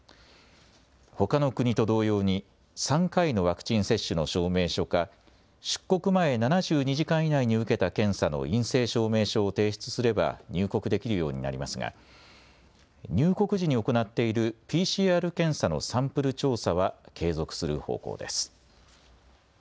ほかの国と同様に３回のワクチン接種の証明書か出国前７２時間以内に受けた検査の陰性証明書を提出すれば入国できるようになりますが入国時に行っているＰＣＲ検査のサンプル調査は継続する方向です。